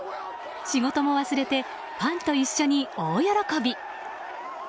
仕事も忘れてファンと一緒に大喜び。